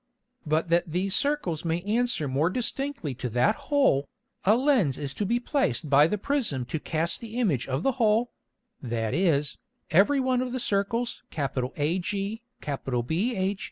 But that these Circles may answer more distinctly to that Hole, a Lens is to be placed by the Prism to cast the Image of the Hole, (that is, every one of the Circles AG, BH, &c.)